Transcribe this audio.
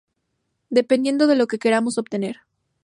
Dependiendo de lo que queramos obtener.